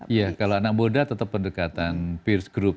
iya kalau anak muda tetap pendekatan peers group